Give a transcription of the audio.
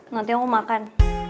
nanti aku makan